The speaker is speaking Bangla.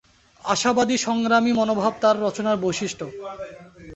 আশাবাদী সংগ্রামী মনোভাব তার রচনার বৈশিষ্ট্য।